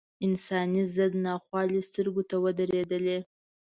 انساني ضد ناخوالې سترګو ته ودرېدلې.